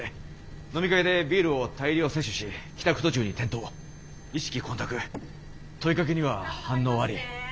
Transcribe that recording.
飲み会でビールを大量摂取し帰宅途中に転倒意識混濁問いかけには反応あり。